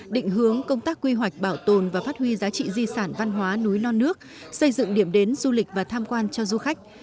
định hướng công tác quy hoạch bảo tồn và phát huy giá trị di sản văn hóa núi non nước xây dựng điểm đến du lịch và tham quan cho du khách